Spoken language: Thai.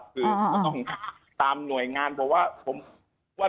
ต้องตามหน่วยงานเพราะว่า